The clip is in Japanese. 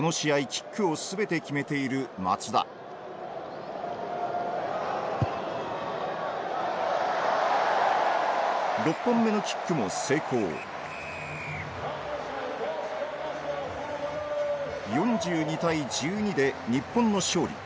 キックをすべて決めている松田６本目のキックも成功４２対１２で日本の勝利。